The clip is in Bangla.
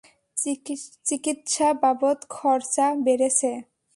চিকিৎসা বাবদ খরচা বেড়েছে।